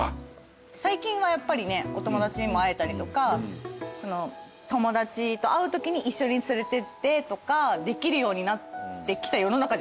最近はやっぱりねお友達にも会えたりとか友達と会うときに一緒に連れてってとかできるようになってきた世の中じゃないですか。